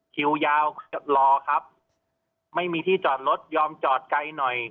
คิวยาวรอครับไม่มีที่จอดรถยอมจอดไกลหน่อย